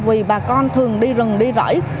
vì bà con thường đi rừng đi rẫy